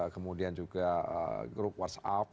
kemudian juga grup whatsapp